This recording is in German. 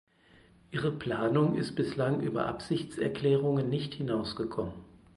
Ihre Planung ist bislang über Absichtserklärungen nicht hinausgekommen.